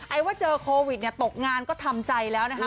ว่าเจอโควิดเนี่ยตกงานก็ทำใจแล้วนะคะ